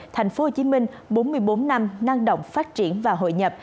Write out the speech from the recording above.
tp hcm bốn mươi bốn năm năng động phát triển và hội nhập